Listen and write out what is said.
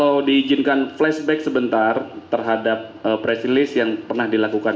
akhirnya sebelum akhirnya menangkap dua tersangka lainnya